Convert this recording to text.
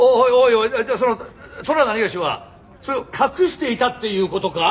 おいじゃあそのトラなにがしはそれを隠していたっていう事か！？